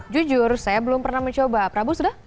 jujur saya belum pernah mencoba prabu sudah